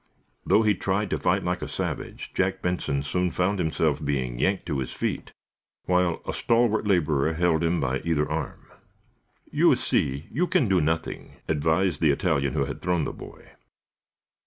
Though he tried to fight like a savage, Jack Benson soon found himself being yanked to his feet, while a stalwart laborer held him by either arm. "You see, you can do nothing," advised the Italian who had thrown the boy.